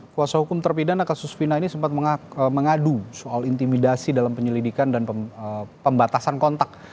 kuasa hukum terpidana kasus fina ini sempat mengadu soal intimidasi dalam penyelidikan dan pembatasan kontak